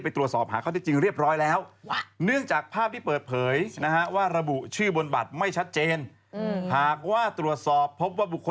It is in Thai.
ก็ทำไมเขาอาจจะที่มาของเงินไม่ได้มาบันทึก